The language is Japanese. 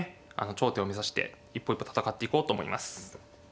頂点を目指して一歩一歩戦っていこうと思います。